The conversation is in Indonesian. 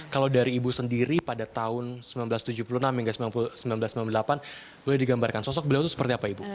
kalau dari ibu sendiri pada tahun seribu sembilan ratus tujuh puluh enam hingga seribu sembilan ratus sembilan puluh delapan boleh digambarkan sosok beliau itu seperti apa ibu